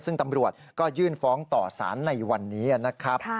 ซึ่งตำรวจก็ยื่นฟ้องต่อสารในวันนี้นะครับ